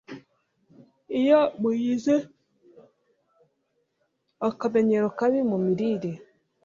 Iyo mugize akamenyero kabi mu mirire